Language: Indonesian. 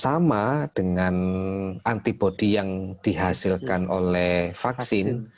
sama dengan antibody yang dihasilkan oleh vaksin